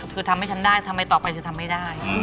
คือทำให้ฉันได้ทำไมต่อไปเธอทำไม่ได้